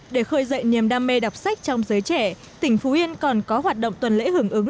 để khơi dậy niềm đam mê đọc sách trong giới trẻ tỉnh phú yên còn có hoạt động tuần lễ hưởng ứng